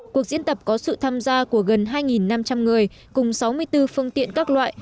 cuộc diễn tập có sự tham gia của gần hai năm trăm linh người cùng sáu mươi bốn phương tiện các loại